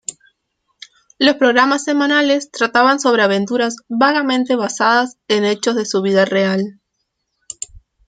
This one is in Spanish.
Los programas semanales trataban sobre aventuras vagamente basadas en hechos de su vida real.